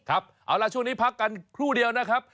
ครับเอาล่ะช่วงนี้พักกันครู่เดียวนะครับ